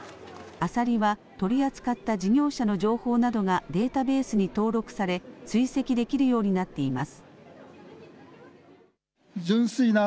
あさりは取り扱った事業者の情報などがデータベースに登録され追跡できるようになっています。